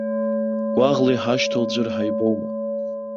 Гәаӷла иҳашьҭоу ӡәыр ҳаибоума?